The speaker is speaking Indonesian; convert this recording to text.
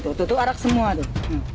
tuh tuh arak semua tuh